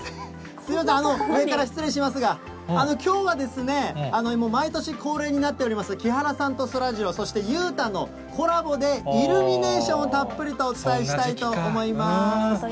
すみません、上から失礼しますが、きょうはですね、毎年恒例になっております、木原さんとそらジロー、そして裕太のコラボでイルミネーションをたっぷりとお伝えしたいと思います。